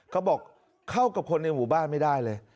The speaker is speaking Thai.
เขาบอกเข้ากับคนในหมู่บ้านไม่ได้เลย